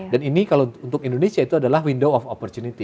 dan ini kalau untuk indonesia itu adalah window of opportunity